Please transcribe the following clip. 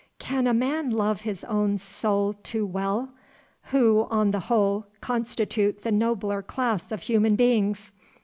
Can a man love his own soul too well? Who, on the whole, constitute the nobler class of human beings?